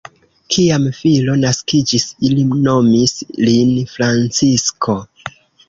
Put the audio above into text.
Kiam filo naskiĝis, ili nomis lin Francisko.